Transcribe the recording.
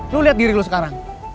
lo liat diri lo sekarang